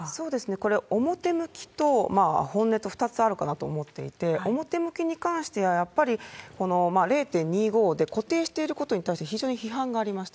これ、表向きと本音と２つあるかなと思っていて、表向きに関しては、やっぱりこの０．２５で固定していることに対して、非常に批判がありました。